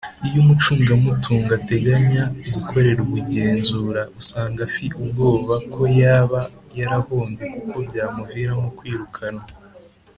Iyo Umucungamutungo ateganya gukorerwa igenzura usanga afi ubwoba koya ba yarahombye kuko byamuviramo kwirukanwa.